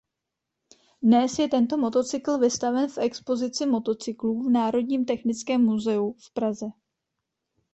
Dnes je tento motocykl vystaven v expozici motocyklů v Národním technickém muzeu v Praze.